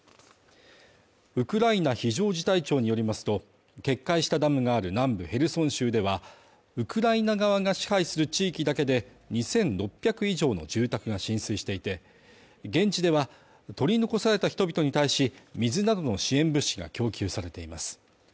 ウクライナ非常事態庁によりますと、決壊したダムがある南部ヘルソン州ではウクライナ側が支配する地域だけで２６００以上の住宅が浸水していて、現地では取り残された人々に対し、水などの支援物資が供給されています。